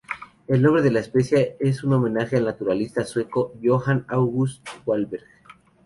El nombre de la especie es un homenaje al naturalista sueco Johan August Wahlberg.